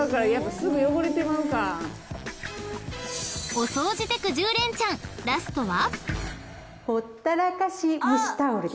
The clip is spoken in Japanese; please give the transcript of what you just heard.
［お掃除テク１０連ちゃんラストは？］